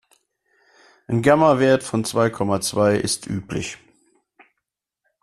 Ein Gamma-Wert von zwei Komma zwei ist üblich.